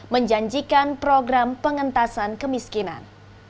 menjanjikan program pengentasan kemiskinan